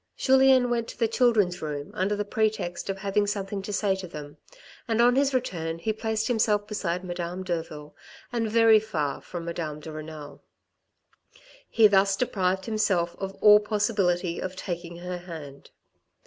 Julien went to the children's room under the pretext of having something to say to them, and on his return he placed himself beside Madame Derville and very far from Madame de Renal. He thus deprived himself of all possibility of taking her hand.